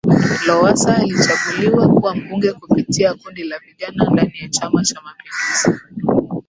Lowassa alichaguliwa kuwa Mbunge kupitia kundi la Vijana ndani ya chama Cha mapinduzi